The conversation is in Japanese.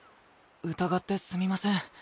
疑ってすみません。